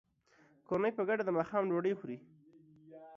کورنۍ په ګډه د ماښام ډوډۍ خوري.